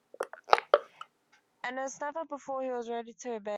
And as never before, he was ready to obey.